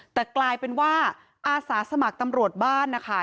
แต่กลายเป็นว่าอาสาสมัครตำรวจบ้านนะคะ